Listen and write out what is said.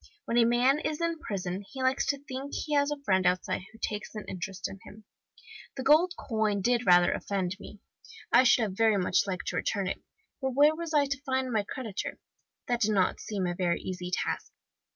When a man is in prison he likes to think he has a friend outside who takes an interest in him. The gold coin did rather offend me; I should have very much liked to return it; but where was I to find my creditor? That did not seem a very easy task.